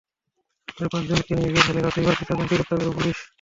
সকালে পাঁচজনকে নিয়ে বের হলে রাতেই বাকি চারজনকে গ্রেপ্তার করে পুলিশ।